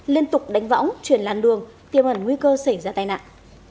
liên tục đánh võng chuyển làn đường tiêu hẳn nguy cơ xảy ra tai nạn